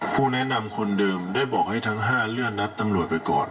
ผู้แนะนำคนเดิมได้บอกให้ทั้ง๕เลื่อนนัดตำรวจไปก่อน